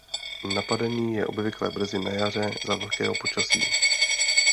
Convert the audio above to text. Napadení je obvyklé brzy na jaře za vlhkého počasí.